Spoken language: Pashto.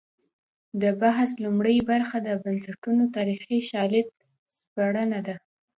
د بحث لومړۍ برخه د بنسټونو تاریخي شالید سپړنه ده.